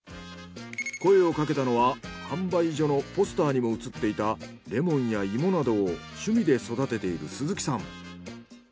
声をかけたのは販売所のポスターにも写っていたレモンや芋などを趣味で育てている鈴木さん。